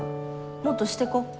もっとしてこ。